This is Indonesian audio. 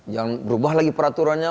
jangan berubah lagi peraturannya